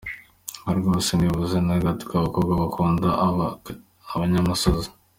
Reka reka rwose, ntibivuze na gato ko abakobwa bakunda abanyamusozi!.